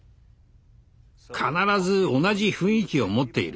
必ず同じ雰囲気を持っている。